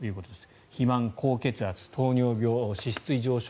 肥満、高血圧糖尿病、脂質異常症